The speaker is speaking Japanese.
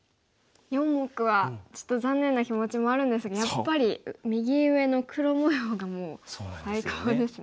４目はちょっと残念な気持ちもあるんですがやっぱり右上の黒模様がもう最高ですね。